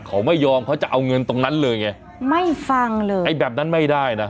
เขาไม่ยอมเขาจะเอาเงินตรงนั้นเลยไงไม่ฟังเลยไอ้แบบนั้นไม่ได้นะ